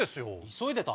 急いでた？